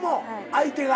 相手が。